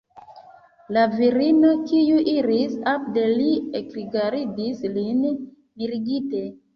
La virino, kiu iris apud li, ekrigardis lin mirigite.